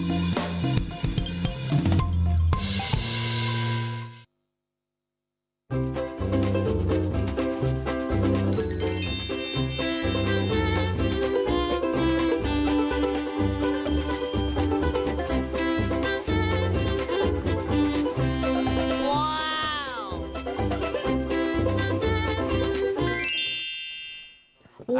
สวัสดีครับ